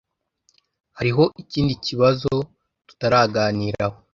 Hariho ikindi kibazo tutaraganiraho